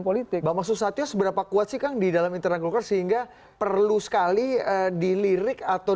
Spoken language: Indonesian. politik bama susahnya seberapa kuat dikandidalai terangga sehingga perlu sekali di lirik atau